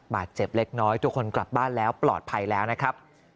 บาดเจ็บเล็กน้อยทุกคนกลับบ้านแล้วปลอดภัยแล้วนะครับ